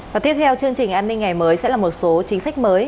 và tiếp theo chương trình an ninh ngày mới sẽ là một số chính sách mới